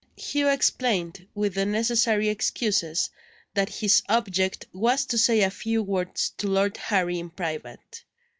Hugh explained (with the necessary excuses) that his object was to say a few words to Lord Harry in private.